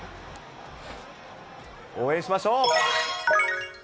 応援しましょう。